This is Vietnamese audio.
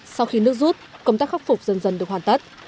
sau khi nước rút công tác khắc phục dần dần được hoàn tất